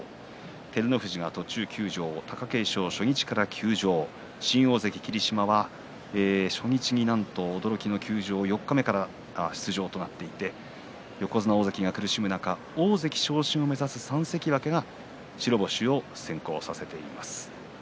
照ノ富士が途中休場貴景勝は初日から休場新大関霧島は初日になんと驚きの休場、四日目から出場となっていて横綱、大関が苦しむ中大関昇進を目指す３関脇が白星を先行させています。